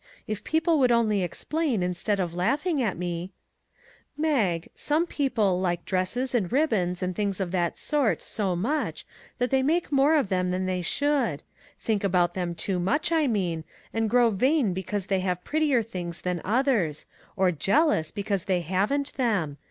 If people would only explain, instead of laughing at me ":" Mag, some people like dresses, and ribbons, and things of that sort, so much that they make more of them than they should; think about them too much, I mean, and grow vain because they have prettier things than others, or jealous because they haven't them.